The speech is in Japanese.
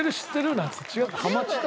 なんつって違った。